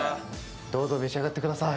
召し上がってください。